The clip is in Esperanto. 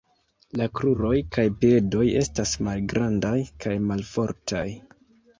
La kruroj kaj piedoj estas malgrandaj kaj malfortaj.